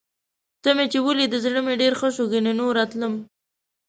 ته مې چې ولیدې، زړه مې ډېر ښه شو. کني نوره تلم.